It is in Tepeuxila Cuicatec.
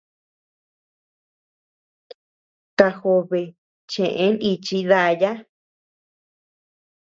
Kajobe cheʼe nichi daya.